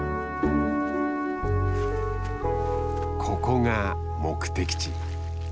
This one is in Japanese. ここが目的地。